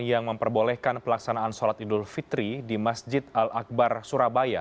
yang memperbolehkan pelaksanaan sholat idul fitri di masjid al akbar surabaya